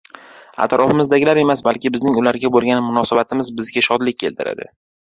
Atrofimizdagilar emas, balki bizning ularga bo‘lgan munosabatimiz bizga shodlik keltiradi.